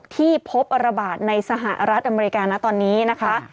ที่พบระบาดในสหรัฐอเมริกานะตอนนี้นะคะ